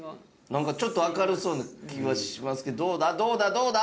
なんかちょっと明るそうな気はしますけどどうだどうだどうだ？